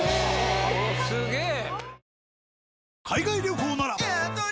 すげえ！